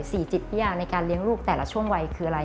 จิตวิญญาณในการเลี้ยงลูกแต่ละช่วงวัยคืออะไร